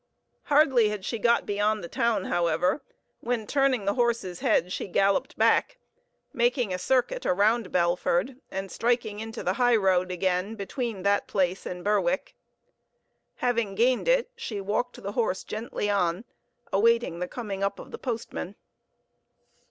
Hardly had she got beyond the town, however, when turning the horse's head she galloped back, making a circuit around Belford and striking into the high road again between that place and Berwick. Having gained it, she walked the horse gently on, awaiting the coming up of the postman.